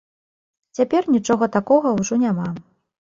Цяпер нічога такога ўжо няма.